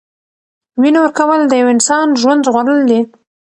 وینه ورکول د یو انسان ژوند ژغورل دي.